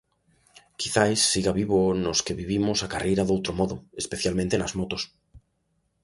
Quizais siga vivo nos que vivimos a carreira doutro modo, especialmente nas motos.